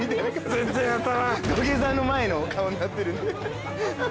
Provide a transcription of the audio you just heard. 土下座の前の顔になってる。